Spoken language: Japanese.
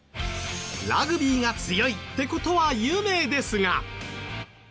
ラグビーが強いって事は有名ですが。